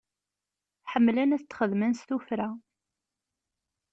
Ḥemmlen ad tent-xedmen s tufra.